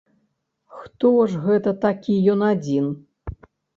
Хто ж гэта такі ён адзін?!